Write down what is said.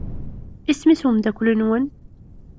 Isem-is umeddakel-nwen?